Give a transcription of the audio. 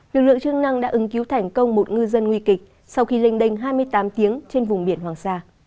lực lượng chức năng đã ứng cứu thành công một ngư dân nguy kịch sau khi lênh đênh hai mươi tám tiếng trên vùng biển hoàng sa